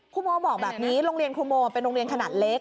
ครูโมบอกแบบนี้โรงเรียนครูโมเป็นโรงเรียนขนาดเล็ก